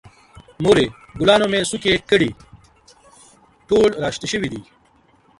مورې، ګلانو مې څوکې کړي، ټول را شنه شوي دي.